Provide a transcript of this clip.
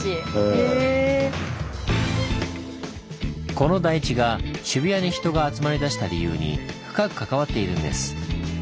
この台地が渋谷に人が集まりだした理由に深く関わっているんです。